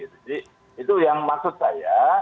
jadi itu yang maksud saya